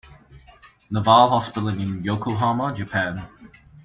Naval Hospital in Yokohama, Japan.